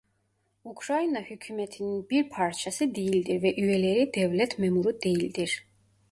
Ukrayna hükûmetinin bir parçası değildir ve üyeleri devlet memuru değildir.